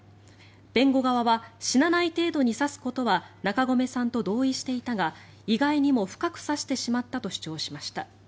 弁護側は死なない程度に刺すことは中込さんと同意していたが意外にも深く刺してしまったと主張しました。